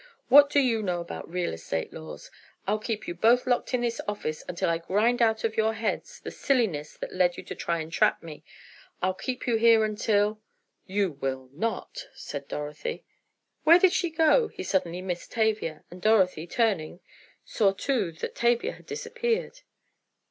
What do you know about real estate laws? I'll keep you both locked in this office, until I grind out of your heads the silliness that led you to try and trap me. I'll keep you here until——" "You will not," said Dorothy. "Where did she go?" He suddenly missed Tavia, and Dorothy, turning, saw too that Tavia had disappeared.